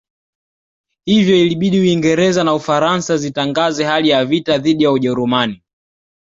Hivyo ilibidi Uingereza na Ufaransa zitangaze hali ya vita dhidi ya Ujerumani